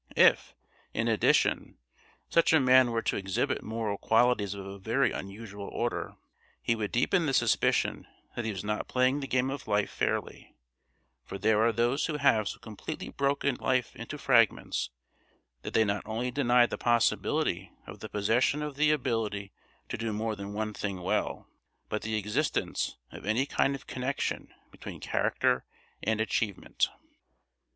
If, in addition, such a man were to exhibit moral qualities of a very unusual order, he would deepen the suspicion that he was not playing the game of life fairly; for there are those who have so completely broken life into fragments that they not only deny the possibility of the possession of the ability to do more than one thing well, but the existence of any kind of connection between character and achievement.